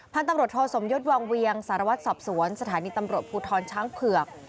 ตำรวจโทสมยศวังเวียงสารวัตรสอบสวนสถานีตำรวจภูทรช้างเผือก